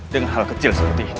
dengan hal kecil seperti ini